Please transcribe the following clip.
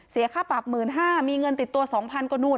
เสียค่าปรับหมื่นห้ามีเงินติดตัวสองพันก็นู่น